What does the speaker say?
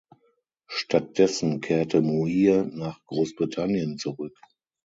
Stattdessen kehrte Muir nach Großbritannien zurück.